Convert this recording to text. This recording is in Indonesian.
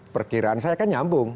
perkiraan saya kan nyambung